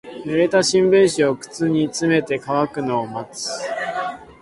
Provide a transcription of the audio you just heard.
濡れた新聞紙を靴に詰めて乾くのを待つ。